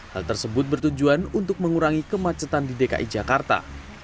hal tersebut bertujuan untuk mengurangi kemacetan di dki jakarta